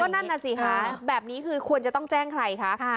นั่นน่ะสิคะแบบนี้คือควรจะต้องแจ้งใครคะ